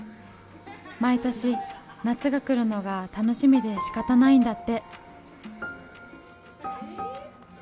毎年夏が来るのが楽しみでしかたないんだって。